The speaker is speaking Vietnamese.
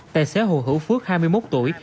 tài xế hồ hữu phước hai mươi một tuổi